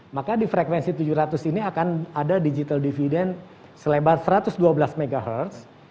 maka di frekuensi tujuh ratus ini akan ada digital dividend selebar satu ratus dua belas mhz